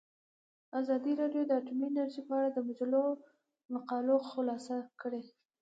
ازادي راډیو د اټومي انرژي په اړه د مجلو مقالو خلاصه کړې.